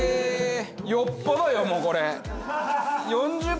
よっぽどよもうこれ。